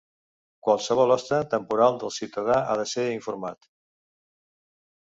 Qualsevol hoste temporal del ciutadà ha de ser informat.